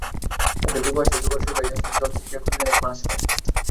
যাদের ডোবা আছে, ডোবা শুকাইয়া আসিলে জল ছেচিয়া ঝুড়িখানেক মাছ পায়।